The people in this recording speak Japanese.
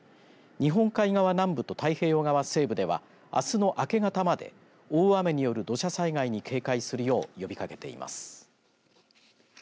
日本海側南部と太平洋側西部ではあすの明け方まで大雨による土砂災害に警戒するよう呼びかけています。